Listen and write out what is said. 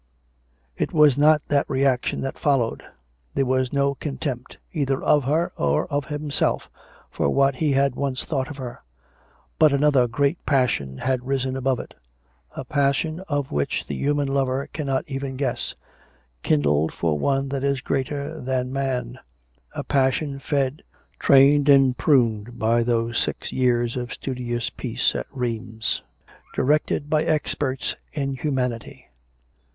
It Mas not that reaction had followed; tjhere was no contempt, either of her or of himself, for what he had once thought of her; but another great passion had risen above it — a passion of which the human lover cannot even guess, kindled for one that is greater than man ; a passion fed, trained and pruned by those six years of studious peace at Rheims, directed by experts in humanity.